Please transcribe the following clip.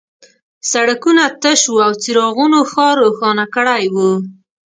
سړکونه تش وو او څراغونو ښار روښانه کړی و